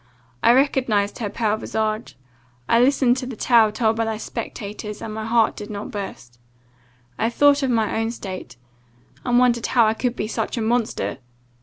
I recognized her pale visage; I listened to the tale told by the spectators, and my heart did not burst. I thought of my own state, and wondered how I could be such a monster!